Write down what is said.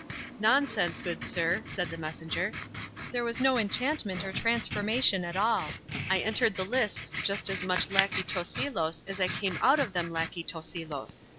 "Nonsense, good sir!" said the messenger; "there was no enchantment or transformation at all; I entered the lists just as much lacquey Tosilos as I came out of them lacquey Tosilos.